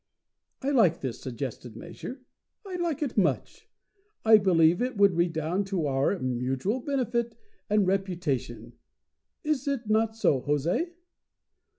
I like this suggested measure. I like it much. I believe it would redound to our mutual benefit and reputation. Is it not so, Jose?"